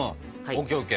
ＯＫＯＫ。